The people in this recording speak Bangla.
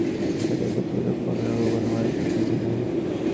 স্বদেশের প্রতি এরূপ অনুরাগও কোন মানুষের দেখি নাই।